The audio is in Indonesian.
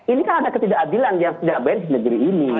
ini kan ada ketidakadilan yang tidak beres negeri ini